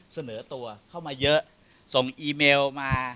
เสนอตัวเข้ามาเยอะส่งอีเมลมา